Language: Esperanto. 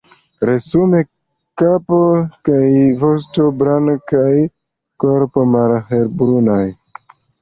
Resume kapo kaj vosto blankaj, korpo malhelbruna.